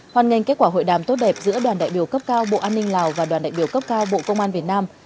hoàn ngành kết quả hội đàm tốt đẹp giữa đoàn đại biểu cấp cao bộ an ninh lào và đoàn đại biểu cấp cao bộ công an việt nam